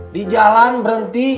di jalan berhenti